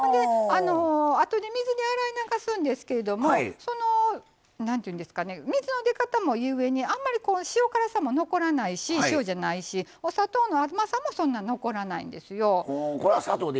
あとで水で洗い流すんですけど水の出方のわりにあんまり塩辛さも残らないしお砂糖の甘さもそんなに残らないんですよ。